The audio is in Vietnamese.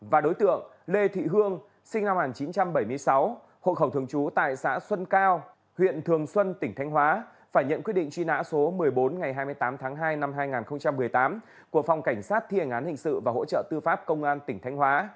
và đối tượng lê thị hương sinh năm một nghìn chín trăm bảy mươi sáu hộ khẩu thường trú tại xã xuân cao huyện thường xuân tỉnh thanh hóa phải nhận quyết định truy nã số một mươi bốn ngày hai mươi tám tháng hai năm hai nghìn một mươi tám của phòng cảnh sát thi hành án hình sự và hỗ trợ tư pháp công an tỉnh thanh hóa